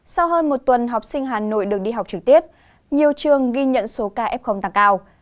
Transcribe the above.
sau hơn một tuần học sinh hà nội được đi học trực tiếp nhiều trường ghi nhận số ca f tăng cao